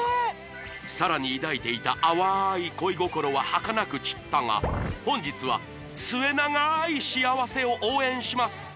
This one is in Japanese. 沙羅に抱いていた淡い恋心ははかなく散ったが本日は末永い幸せを応援します